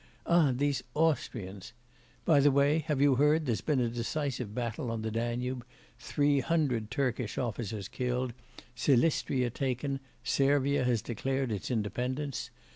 ah, these Austrians! By the way, have you heard, there's been a decisive battle on the Danube: three hundred Turkish officers killed, Silistria taken; Servia has declared its independence.